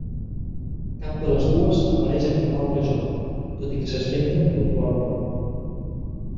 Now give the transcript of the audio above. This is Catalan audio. Cap de les dues apareix en cap altre joc, tot i que s'esmenten puntualment.